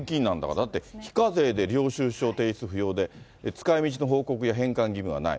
だって、非課税で領収書提出不要で、使いみちや返還義務はない。